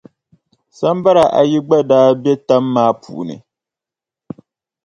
Sambara ayi gba daa be tam maa puuni.